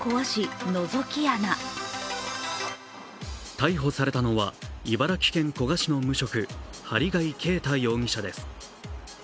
逮捕されたのは茨城県古河市の無職、針谷啓太容疑者です。